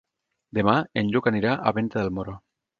Demà en Lluc anirà a Venta del Moro.